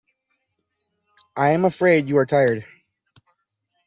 I am afraid you are tired.